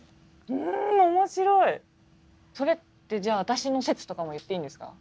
それってじゃあ私の説とかも言っていいんですか？